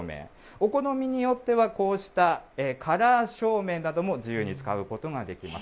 お好みによっては、こうしたカラー照明なども自由に使うことができます。